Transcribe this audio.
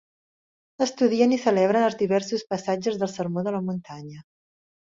Estudien i celebren els diversos passatges del Sermó de la Muntanya.